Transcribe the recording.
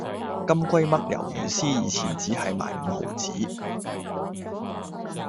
金龜嘜魷魚絲以前只係買五毫子